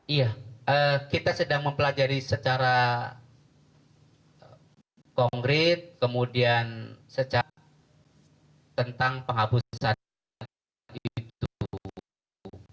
iya kita sedang mempelajari secara konkret kemudian tentang penghapusan itu